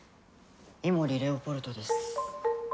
伊森レオポルトです。